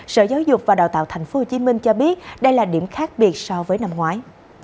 sở giáo dục và đào tạo tp hcm cho biết đây là điểm khác biệt so với năm ngoái